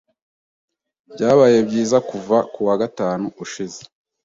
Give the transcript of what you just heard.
Byabaye byiza kuva kuwa gatanu ushize.